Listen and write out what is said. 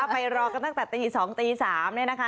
ไปรอกันตั้งแต่ตี๒ตี๓นะคะ